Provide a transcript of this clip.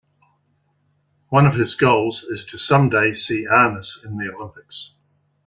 One of his goals is to someday see Arnis in the Olympics.